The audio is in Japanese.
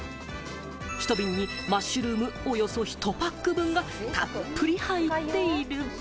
ひと瓶にマッシュルームおよそひとパック分がたっぷり入っている。